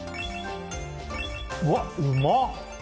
うわ、うまっ！